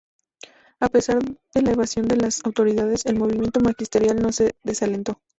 A pesar de la evasión de las autoridades, el movimiento magisterial no se desalentó.